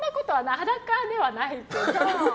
裸ではないけど。